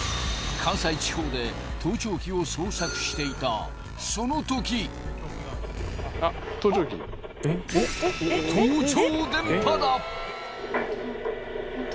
関西地方で盗聴器を捜索していたその時盗聴電波だ！